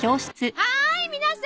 はい皆さん